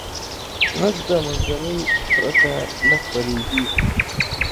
غږ د منځنۍ پرته نه خپرېږي.